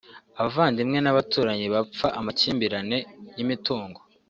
abavandimwe n’abaturanyi bapfa amakimbirane y’imitungo